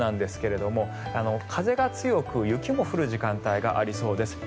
一方、北海道ですが風が強く雪も降る時間帯がありそうです。